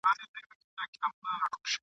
بزګر وویل خبره دي منمه ..